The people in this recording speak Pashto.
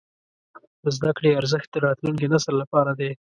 د زده کړې ارزښت د راتلونکي نسل لپاره دی.